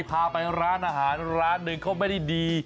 พาไปร้านอาหารร้านหนึ่งเขาไม่ได้ดี